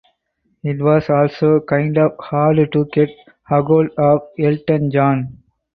It was also kind of hard to get ahold of Elton John.